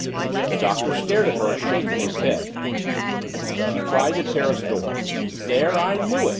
The Doctor stared at her, shaking his head. She tried the terrace door. "There, I knew it!"